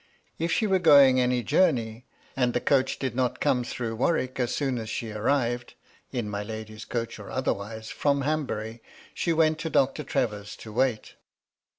If she were going any journey, and the coach did not come through Warwick as soon as she arrived (in my lady's coach or otherwise) from Hanbury, she went to Doctor Trevor's to wait.